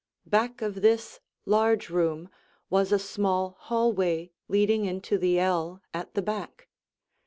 Back of this large room was a small hallway leading into the ell at the back.